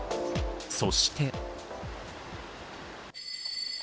そして。